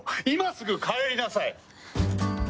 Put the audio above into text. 今すぐ帰りなさい。